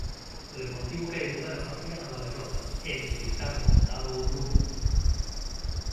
O Deportivo quere mudar a faciana da derrota e endereitar de contado o rumbo.